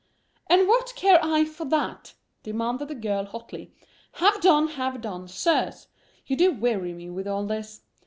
"And what care I for that?" demanded the girl, hotly. "Have done, have done, sirs! You do weary me with all this.